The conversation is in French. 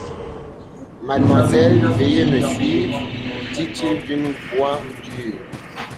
Mademoiselle, veuillez me suivre, dit-il d'une voix dure.